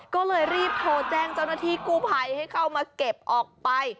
ก็เลยรีบโทรแจ้งเจ้าหน้าที่กู้ภัยให้เข้ามาเก็บออกไป